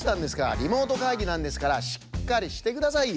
リモートかいぎなんですからしっかりしてくださいよ。